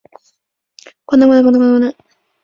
殿试登进士第二甲第八十四名。